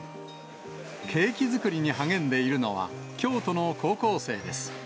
ケーキ作りに励んでいるのは、京都の高校生です。